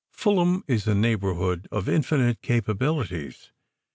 FuLHAM 18 a neighbourhood of infinite capabilities.